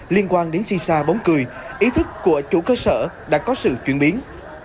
liên quan đến si xa bóng cười ý thức của chủ cơ sở đã có sự chuyển biến